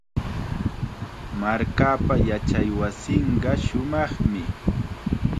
Markaapa yachaywasinqa shumaqmi.